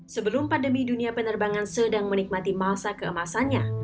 sebelum pandemi dunia penerbangan sedang menikmati masa keemasannya